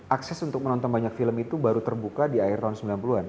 akses untuk menonton banyak film itu baru terbuka di akhir tahun sembilan puluh an